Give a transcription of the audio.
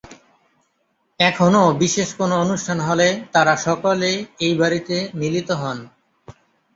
এখনো বিশেষ কোনো অনুষ্ঠান হলে তারা সকলে এই বাড়িতে মিলিত হন।